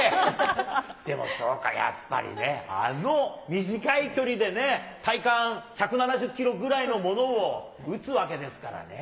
でもそうか、やっぱりね、あの短い距離でね、体感１７０キロぐらいのものを打つわけですからね。